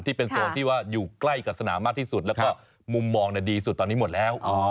ที่เป็นโซนที่ว่าอยู่ใกล้กับสนามมากที่สุดแล้วก็มุมมองดีสุดตอนนี้หมดแล้ว